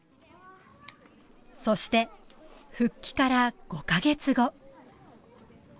そして復帰から５カ月後